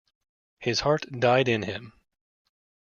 His heart died in him.